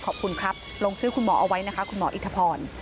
ขอบคุณครับลงชื่อคุณหมอเอาไว้นะคะคุณหมออิทธพร